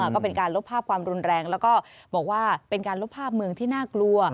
ก็เป็นการลบภาพความรุนแรงแล้วก็บอกว่าเป็นการลบภาพเมืองที่น่ากลัว